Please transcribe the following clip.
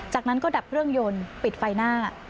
จากนั้นก็ดับเครื่องยนต์ปิดไฟหน้า